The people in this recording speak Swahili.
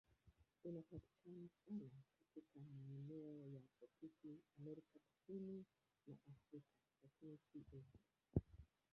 Inapatikana sana katika maeneo ya tropiki Amerika Kusini na Afrika, lakini si Asia.